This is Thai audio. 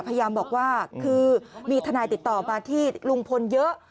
พยายามบอกว่าคือมีทนายติดต่อมาที่ลุงพลเยอะ